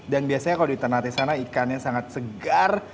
dan biasanya kalau di ternate sana ikannya sangat segar